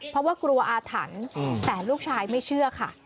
เพราะว่ากลัวอาถรรพ์แต่ลูกชายไม่เชื่อค่ะ